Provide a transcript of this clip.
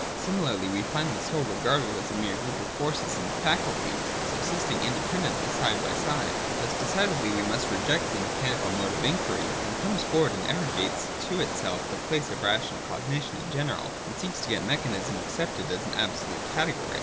Similarly we find the soul regarded as a mere group of forces and faculties, subsisting independently side by side. Thus decidedly must we reject the mechanical mode of in quiry when it comes forward and arrogates to itself the place of rational cognition in general, and seeks to get mechanism accepted as an absolute category.